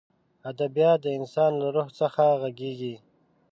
ادبیات د انسان له روح څخه غږېږي.